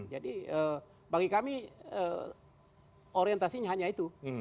jadi bagi kami orientasinya hanya itu